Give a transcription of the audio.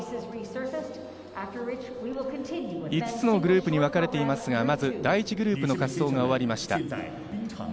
５つのグループにわかれていますが、まず第１グループの滑走が終わりました。